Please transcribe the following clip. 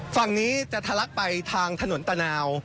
ฝั่งนี้จะทะลักไปทางถนนตะนาว